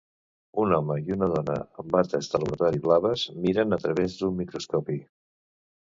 Un home i una dona amb bates de laboratori blaves miren a través d'un microscopi.